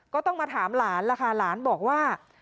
ก็ต้องมาถามหลานล่ะค่ะหลานบอกว่า